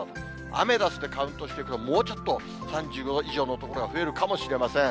アメダスでカウントしていくと、もうちょっと、３５度以上の所が増えるかもしれません。